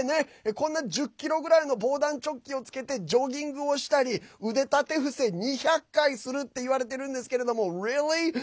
こんな１０ｋｇぐらいの防弾チョッキをつけてジョギングしたり腕立て伏せ２００回するって言わてるんですけれどもＲｅａｌｌｙ？